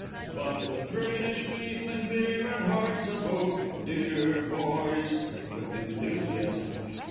But with British beef, and beer, and hearts of oak, deah boys! (_With enthusiasm.